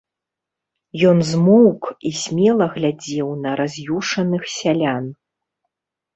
Ён змоўк і смела глядзеў на раз'юшаных сялян.